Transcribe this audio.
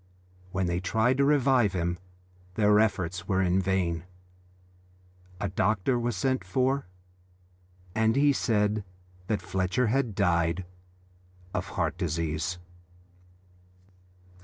When they tried to revive him their efforts were in vain. A doctor was sent for, and he said that Fletcher had died of heart disease.